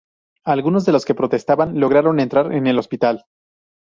Algunos de los que protestaban lograron entrar en el hospital.